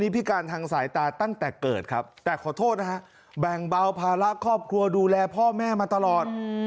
ภาระครอบครัวดูแลพ่อแม่มาตลอด